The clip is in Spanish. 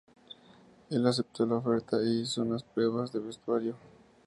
Él aceptó la oferta e hizo unas pruebas de vestuario.